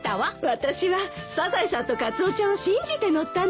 私はサザエさんとカツオちゃんを信じて乗ったんです。